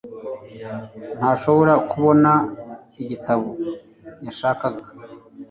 ntashobora kubona igitabo yashakaga